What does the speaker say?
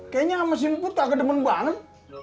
kayaknya sama si ibu put gak ke demen banget